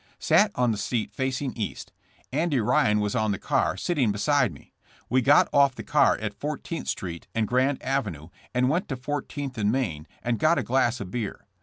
Sat on the seat facing east. Andy Ryan was on the car, sitting beside me. We got off the car at Fourteenth street and Grand avenue and went to Fourteenth and Main, and got a glass of beer.